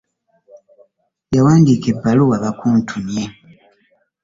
Yawadiika ebbaluwa bakuntumye